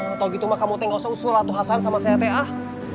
atau gitu mah kamu teh gak usul lah tuh hasan sama saya teh ah